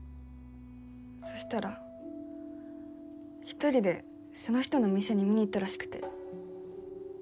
そしたら１人でその人の店に見にいったらしくて。